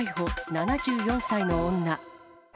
７４歳の女。